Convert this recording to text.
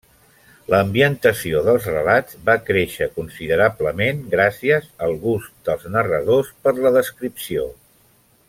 L'ambientació dels relats va créixer considerablement gràcies al gust dels narradors per la descripció.